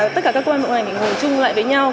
tất cả các quân mọi người phải ngồi chung lại với nhau